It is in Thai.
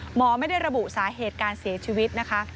หมอไม่ได้ระบุสาเหตุการเสียชีวิตนะคะ